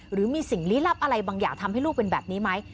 หรือมีสิ่งลี้ลับอะไรบางอย่างทำให้ลูกเป็นแบบนี้ไหม